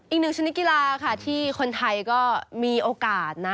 อีกหนึ่งชนิดกีฬาค่ะที่คนไทยก็มีโอกาสนะ